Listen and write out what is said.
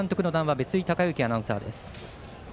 別井敬之アナウンサーです。